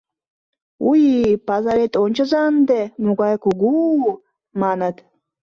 — У-уй-й, пазарет, ончыза ынде, могай кугу-у! — маныт.